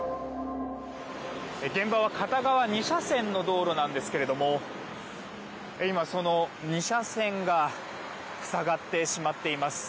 現場は片側２車線の道路なんですけれども今、その２車線が塞がってしまっています。